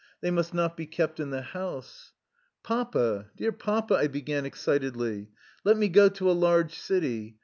They must not be kept in the house." "Papa, dear Papa," I began excitedly, "let me go to a large city.